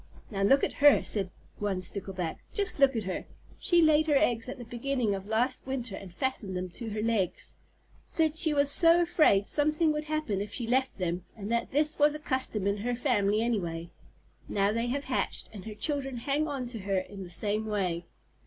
"Now look at her," said one Stickleback. "Just look at her. She laid her eggs at the beginning of last winter and fastened them to her legs. Said she was so afraid something would happen if she left them, and that this was a custom in her family anyway. Now they have hatched, and her children hang on to her in the same way."